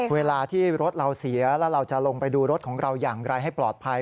เวลาที่รถเราเสียแล้วเราจะลงไปดูรถของเราอย่างไรให้ปลอดภัย